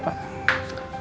apa ada masalah